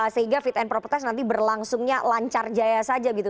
sehingga fit and proper test nanti berlangsungnya lancar jaya saja gitu